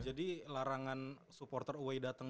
jadi larangan supporter ui datang